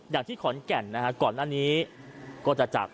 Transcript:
อย่างที่ขอนแก่นนะฮะก่อนหน้านี้ก็จะจับ